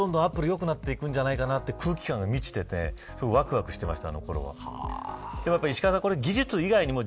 これからどんどんアップルよくなっていくんじゃないかなという空気感が満ちていてすごいわくわくしてました